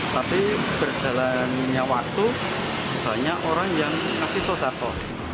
tapi berjalannya waktu banyak orang yang kasih sodako